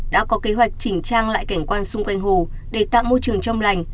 đã có kế hoạch chỉnh trang lại cảnh quan xung quanh hồ để tạo môi trường trong lành